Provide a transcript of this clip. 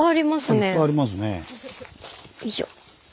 よいしょ。